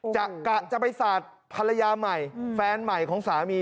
กะจะไปสาดภรรยาใหม่แฟนใหม่ของสามี